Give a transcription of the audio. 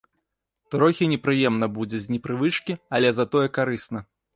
Трохі непрыемна будзе з непрывычкі, але затое карысна.